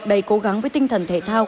đầy cố gắng với tinh thần thể thao